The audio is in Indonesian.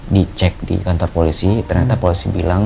dicek di kantor polisi ternyata polisi bilang